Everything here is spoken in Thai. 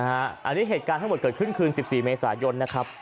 อันนี้เหตุการณ์ทั้งหมดเกิดขึ้นคืน๑๔เมษายนนะครับ